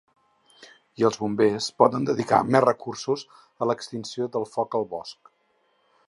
I els bombers podem dedicar més recursos a l’extinció del foc al bosc.